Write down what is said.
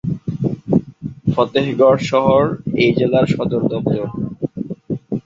ফতেহগড় শহর এ জেলার সদরদপ্তর।